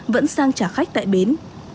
vẫn sang trả khách tại bến